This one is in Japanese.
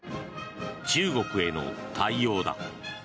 中国への対応だ。